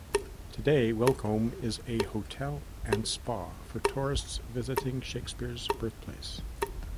Today Welcombe is a hotel and spa for tourists visiting Shakespeare's birthplace.